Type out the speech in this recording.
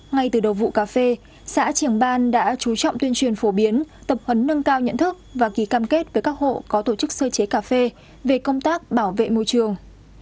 ngay từ đầu vụ cà phê xã triềng ban đã chú trọng tuyên truyền phổ biến tập huấn nâng cao nhận thức và ký cam kết với các hộ có tổ chức sơ chế cà phê về công tác bảo vệ môi trường